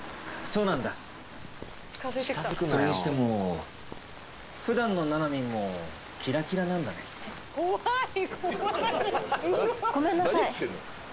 それにしてもふだんのななみんもキラキラなんだねごめんなさい